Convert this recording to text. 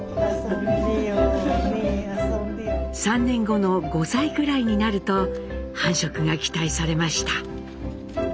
３年後の５歳くらいになると繁殖が期待されました。